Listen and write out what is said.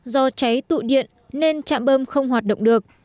do cháy tụ điện nên trạm bơm không hoạt động được